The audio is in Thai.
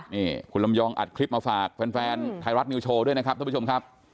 นี่คุณลำยองอัดคลิปมาฝากแฟนไทยรัฐนิวโชว์ด้วยนะครับท่านผู้ชมครับ